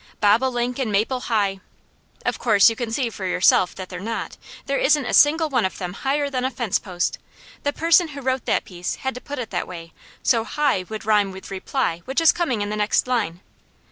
Bobolink in maple high ' "Of course you can see for yourself that they're not. There isn't a single one of them higher than a fence post. The person who wrote the piece had to put it that way so high would rhyme with reply, which is coming in the next line."